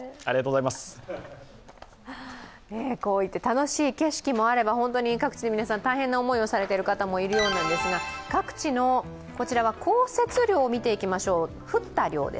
楽しい景色もあれば、各地の皆さん大変な思いをされている方もいるようなんですが、各地の降雪量を見ていきましょう。